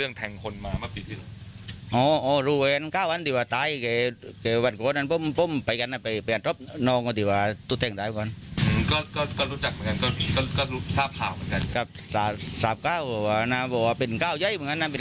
อืมก็รู้จักเหมือนกันก็รู้รูปทราบข่าวเหมือนกัน